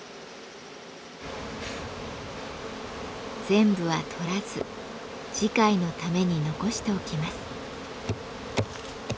全部は採らず次回のために残しておきます。